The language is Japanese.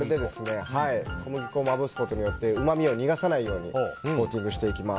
小麦粉をまぶすことによってうまみを逃がさないようにコーティングしていきます。